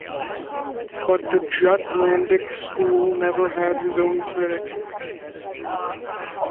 But the Jutlandic School never had his own critic.